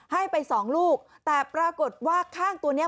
ให้ไปสองลูกแต่ปรากฏว่าข้างตัวเนี้ย